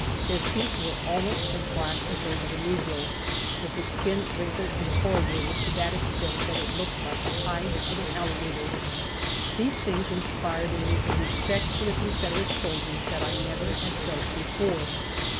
Their feet were almost as black as those of a negro, with the skin wrinkled and corrugated to that extent that it looked like the hide of an alligator. These things inspired in me a respect for the Confederate soldiers that I never had felt before.